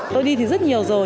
tôi đi thì rất nhiều rồi